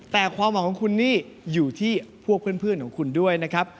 แต่ความหวังของคุณนี่อยู่ที่พวกเพื่อนของคุณด้วยนะครับ